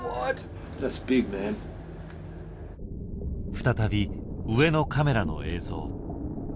再び上のカメラの映像。